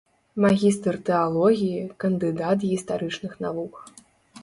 Магістр тэалогіі, кандыдат гістарычных навук.